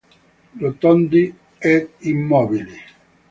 Rotondi ed immobili.